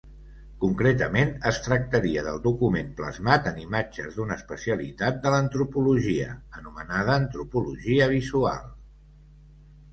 Concretament, es tractaria del documental plasmat en imatges d'una especialitat de l'antropologia, anomenada antropologia visual.